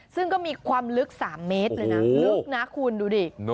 ซึ่งก็มีความลึก๓เมตรเลยนะลึกนะคุณดูดิ